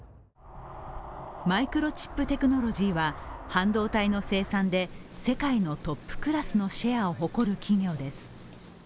マイクロチップテクノロジーは半導体の生産で世界のトップクラスのシェアを誇る企業です。